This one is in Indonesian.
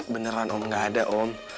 beneran om gak ada om